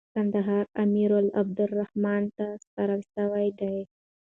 کندهار امیر عبدالرحمن خان ته سپارل سوی دی.